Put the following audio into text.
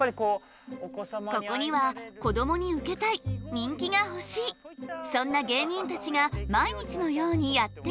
ここにはこどもにウケたい人気が欲しいそんな芸人たちが毎日のようにやって来る。